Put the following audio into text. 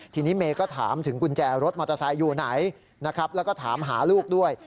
ทีนี้เมย์ก็ถามถึงกุญแจรถมอเตอร์ไซค์อยู่ไหนนะครับแล้วก็ถามหาลูกด้วย